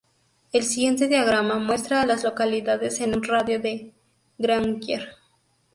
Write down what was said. El siguiente diagrama muestra a las localidades en un radio de de Granger.